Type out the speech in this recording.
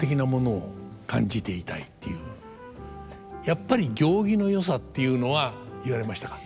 やっぱり行儀のよさっていうのは言われましたか？